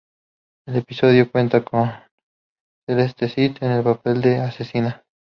El episodio cuenta con Celeste Cid, en el papel de asesina.